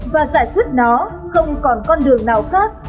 và giải quyết nó không còn con đường nào khác